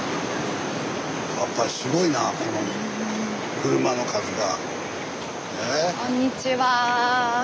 やっぱしすごいなこの車の数が。